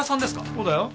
そうだよ。